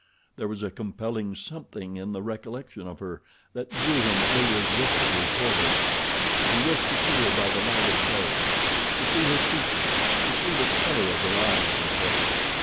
There was a compelling something in the recollection of her that drew him irresistibly toward her. He wished to see her by the light of day, to see her features, to see the color of her eyes and hair.